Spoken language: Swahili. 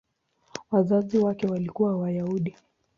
Wazazi wake walikuwa Wayahudi.